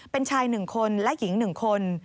เป็นชาย๑คนและหญิง๑คน